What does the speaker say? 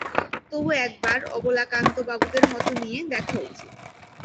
তবু একবার অবলাকান্তবাবুদের মত নিয়ে দেখা উচিত।